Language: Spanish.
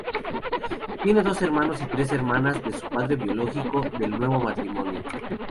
Tiene dos hermanos y tres hermanas de su padre biológico del nuevo matrimonio.